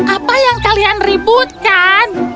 apa yang kalian ributkan